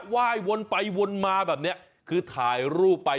ว่ายวนไปวนมาแบบนี้คือถ่ายรูปไป